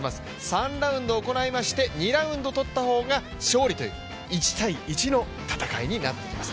３ラウンド行いまして、２ラウンド取ったほうが勝利という、１対１の戦いになってきます。